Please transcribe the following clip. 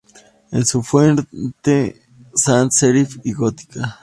Es una fuente sans-serif y gótica.